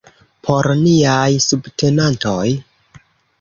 Por niaj subtenantoj?